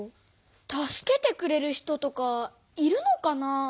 助けてくれる人とかいるのかなあ？